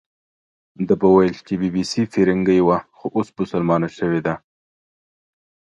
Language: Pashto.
ده به ویل چې بي بي سي فیرنګۍ وه، خو اوس بسلمانه شوې ده.